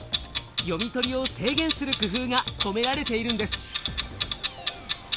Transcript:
読み取りを制限する工夫が込められているんです。